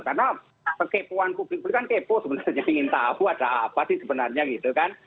karena kekepuan publik publik kan kepo sebenarnya ingin tahu ada apa sih sebenarnya gitu kan